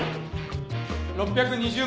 ６２０万。